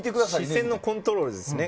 視線のコントロールですね。